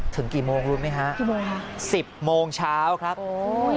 ถึงกี่โมงรู้ไหมฮะ๑๐โมงเช้าครับโอ้โฮ